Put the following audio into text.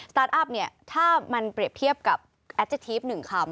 สตาร์ทอัพถ้ามันเปรียบเทียบกับแอดเจคทีฟหนึ่งคำ